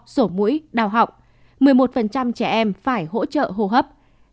sổ mũi đào họng một mươi một trẻ em phải hỗ trợ hô hấp